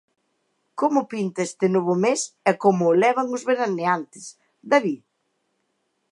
Como pinta este novo mes e como o levan os veraneantes, David?